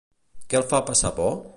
Què el fa passar por?